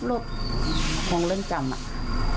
อูห็งบันใช้